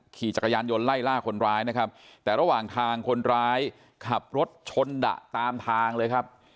ขี่จักรยานยนต์ไล่ล่าคนร้ายนะครับแต่ระหว่างทางคนร้ายขับรถชนดะตามทางเลยครับ